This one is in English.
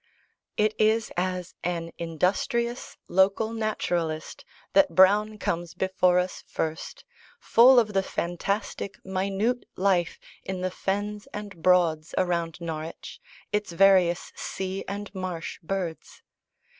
It is as an industrious local naturalist that Browne comes before us first, full of the fantastic minute life in the fens and "Broads" around Norwich, its various sea and marsh birds.